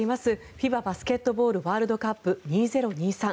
ＦＩＢＡバスケットボールワールドカップ２０２３。